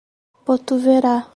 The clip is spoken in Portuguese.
Botuverá